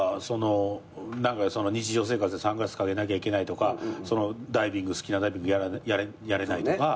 日常生活でサングラス掛けなきゃいけないとか好きなダイビングやれないとか。